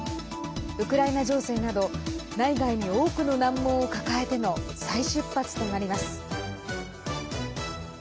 ウクライナ情勢など内外に多くの難問を抱えての再出発となります。